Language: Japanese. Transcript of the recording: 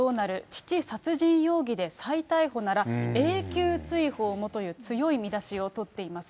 父殺人容疑で再逮捕なら永久追放もという強い見出しを取っています。